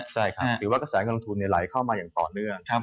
ใช่ครับถือว่ากระแสเงินลงทุนไหลเข้ามาอย่างต่อเนื่อง